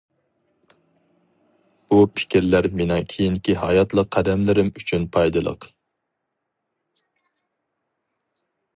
بۇ پىكىرلەر مېنىڭ كېيىنكى ھاياتلىق قەدەملىرىم ئۈچۈن پايدىلىق.